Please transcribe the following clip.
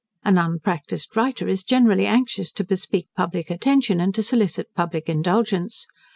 An unpractised writer is generally anxious to bespeak public attention, and to solicit public indulgence.